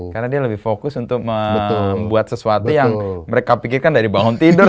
karena dia lebih fokus untuk membuat sesuatu yang mereka pikirkan dari bangun tidur